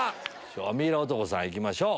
ミイラ男さん行きましょう。